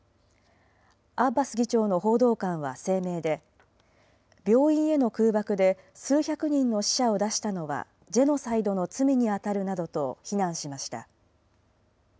アッバス議長の報道官は声明で、病院への空爆で数百人の死者を出したのはジェノサイドの罪に当たるなどと非難しました。